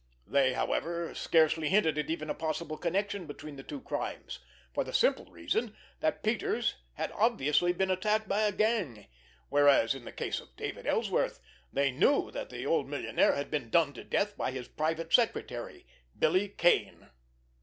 They, however, scarcely hinted at even a possible connection between the two crimes, for the very simple reason that Peters had obviously been attacked by a gang, whereas, in the case of David Ellsworth, they knew that the old millionaire had been done to death by his private secretary, Billy Kane!